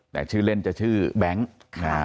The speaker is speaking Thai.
แต่ชื่อเล่นจะชื่อแบงค์นะฮะ